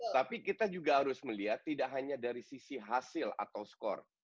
tapi kita juga harus melihat tidak hanya dari sisi hasil atau skor